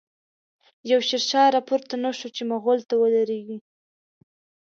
يو” شير شاه “راپورته نه شو، چی ” مغل” ته ودريږی